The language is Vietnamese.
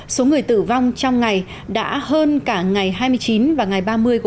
số người tử vong trong ngày đã hơn cả ngày hai mươi chín và ngày ba mươi tháng